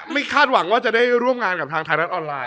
คาดหวังว่าจะได้ร่วมงานกับทางไทยรัฐออนไลน